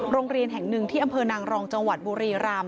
โรงเรียนแห่งหนึ่งที่อำเภอนางรองจังหวัดบุรีรำ